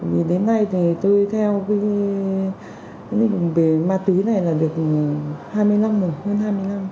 vì đến nay thì tôi theo cái lĩnh vực về ma túy này là được hai mươi năm rồi hơn hai mươi năm